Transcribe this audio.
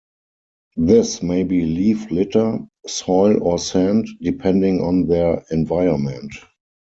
This may be leaf litter, soil or sand, depending on their environment.